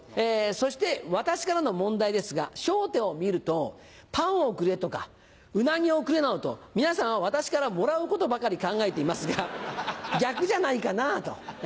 そして私からの問題ですが『笑点』を見るとパンをくれとかうなぎをくれなどと皆さんは私からもらうことばかり考えていますが逆じゃないかなぁ。